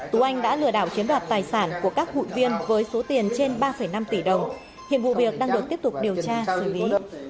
tú anh đã lừa đảo chiếm đoạt tài sản của các hụi viên với số tiền trên ba năm tỷ đồng hiện vụ việc đang được tiếp tục điều tra xử lý